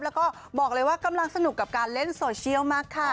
แล้วก็บอกเลยว่ากำลังสนุกกับการเล่นโซเชียลมากค่ะ